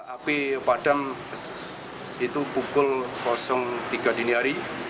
api padam itu pukul tiga dini hari